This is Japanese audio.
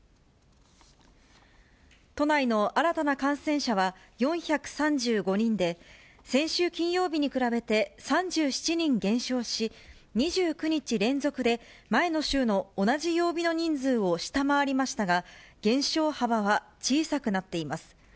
都内の新たな感染者は４３５人で、先週金曜日に比べて、３７人減少し、２９日連続で前の週の同じ曜日の人数を下回りましたが、減少幅は小さくなっています。